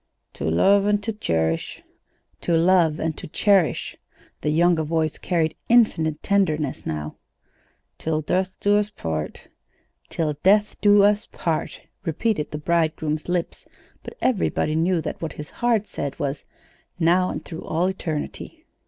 "To love and to cherish." "'To love and to cherish.'" The younger voice carried infinite tenderness now. "Till death us do part." "'Till death us do part,'" repeated the bridegroom's lips; but everybody knew that what his heart said was: "Now, and through all eternity."